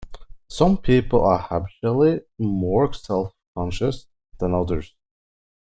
Some people are habitually more self-conscious than others.